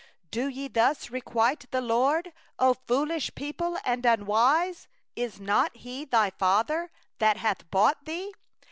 6Do ye thus requite the LORD, O foolish people and unwise? Is not He thy father that hath gotten thee?